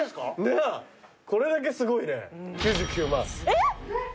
えっ！？